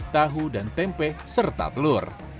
tahu dan tempe serta telur